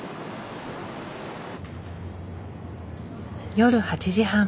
夜８時半